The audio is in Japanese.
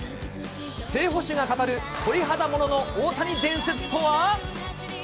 正捕手が語る、鳥肌ものの大谷伝説とは。